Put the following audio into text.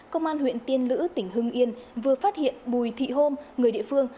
công an huyện tiên lữ tỉnh hưng yên vừa phát hiện bùi thị hôm người địa phương